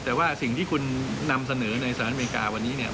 แต่ว่าสิ่งที่คุณนำเสนอในสหรัฐอเมริกาวันนี้เนี่ย